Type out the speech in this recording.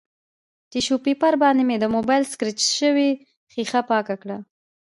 ټیشو پیپر باندې مې د مبایل سکریچ شوې ښیښه پاکه کړه